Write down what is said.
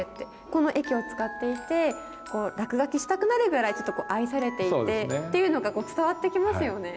この駅を使っていて、落書きしたくなるぐらい、ちょっと愛されていてっていうのが、伝わってきますよね。